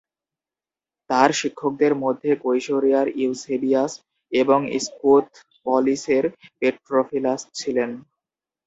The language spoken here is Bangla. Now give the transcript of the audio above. তার শিক্ষকদের মধ্যে কৈসরিয়ার ইউসেবিয়াস এবং স্কুথপলিসের প্যাট্রোফিলাস ছিলেন।